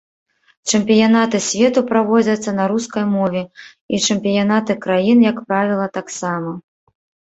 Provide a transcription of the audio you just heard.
Чэмпіянаты свету праводзяцца на рускай мове, і чэмпіянаты краін, як правіла, таксама.